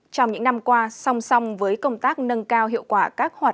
trong những năm qua song song với công tác nâng cao hiệu quả các hoạt